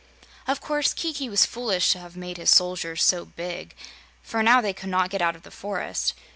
Of course, Kiki was foolish to have made his soldiers so big, for now they could not get out of the forest.